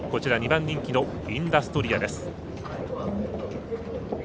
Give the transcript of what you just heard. ２番人気のインダストリアです。